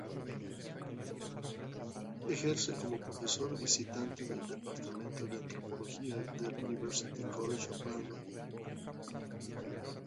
Ejerce como profesor visitante del Departamento de Antropología del University College of London.